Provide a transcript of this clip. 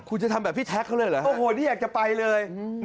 โอ้โหนี่อยากจะไปเลย